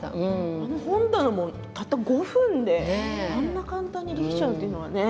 あの本棚もたった５分であんな簡単に出来ちゃうというのがね。